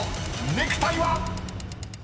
［ネクタイは⁉］